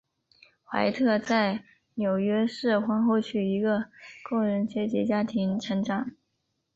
怀特在纽约市皇后区一个工人阶级家庭成长。